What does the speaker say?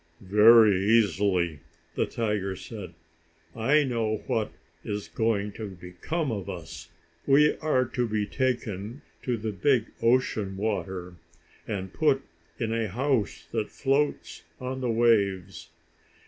"Very easily," the tiger said. "I know what is going to become of us. We are to be taken to the big ocean water, and put in a house that floats on the waves."